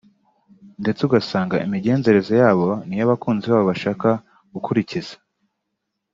ndetse ugasanga imigenzereze yabo niyo abakunzi babo bashaka gukurikiza